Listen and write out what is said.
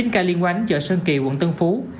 chín ca liên quan đến chợ sơn kỳ quận tân phú